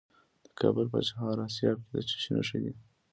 د کابل په چهار اسیاب کې د څه شي نښې دي؟